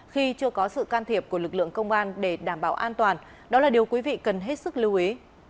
khi chưa có sự can thiệp của lực lượng công an để đảm bảo an toàn đó là điều quý vị cần hết sức lưu ý